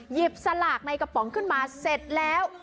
สลากในกระป๋องขึ้นมาเสร็จแล้ว